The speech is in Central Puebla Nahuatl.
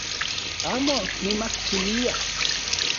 Amo nimajxilia